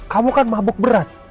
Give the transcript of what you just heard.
kamu kan mabuk berat